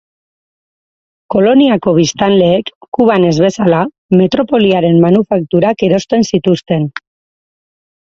Koloniako biztanleek, Kuban ez bezala, metropoliaren manufakturak erosten zituzten.